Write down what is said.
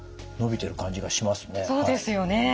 伸びてる感じがしますね。